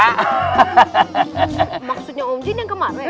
maksudnya om jin yang kemarin